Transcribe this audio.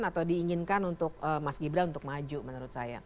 atau diinginkan untuk mas gibran untuk maju menurut saya